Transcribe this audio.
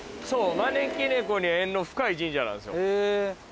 招き猫に縁の深い神社なんですよ。